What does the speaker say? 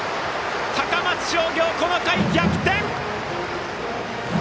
高松商業、この回逆転！